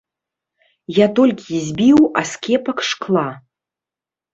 Я толькі збіў аскепак шкла.